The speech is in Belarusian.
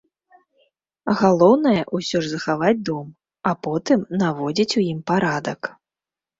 Галоўнае, усё ж захаваць дом, а потым наводзіць у ім парадак.